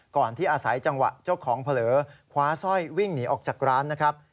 ก่อนที่อาศัยจังหวะเจ้าของเผลอคว้าสร้อยวิ่งหนีออกจากร้านนะครับ